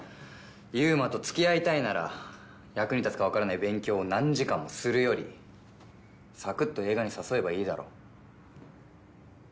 優馬と付き合いたいなら役に立つかわからない勉強を何時間もするよりサクッと映画に誘えばいいだろ。